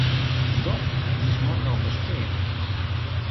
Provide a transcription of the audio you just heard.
Do, ĝis morgaŭ vespere.